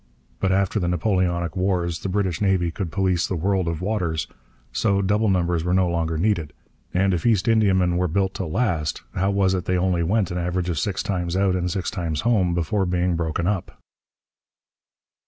But after the Napoleonic wars the British Navy could police the world of waters; so double numbers were no longer needed; and if East Indiamen were built to last, how was it they only went an average of six times out and six times home before being broken up?